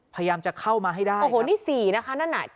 พยายามจะเข้ามาให้ได้โอ้โหนี่สี่นะคะนั่นน่ะ